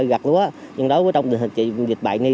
gặt lúa nhưng đó trong dịch bệnh